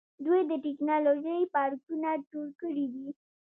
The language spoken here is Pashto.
دوی د ټیکنالوژۍ پارکونه جوړ کړي دي.